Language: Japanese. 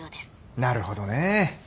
なるほどね。